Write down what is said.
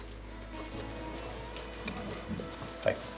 はい。